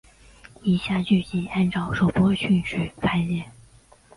以下剧集按照首播顺序排列。